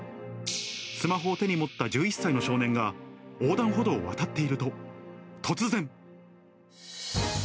スマホを手に持った１１歳の少年が、横断歩道を渡っていると、突然。